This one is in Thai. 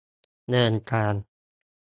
เดินทาง